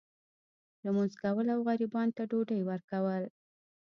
لمونځ کول او غریبانو ته ډوډۍ ورکول.